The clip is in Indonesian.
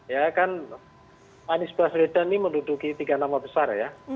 ya kan anies baswedan ini menduduki tiga nama besar ya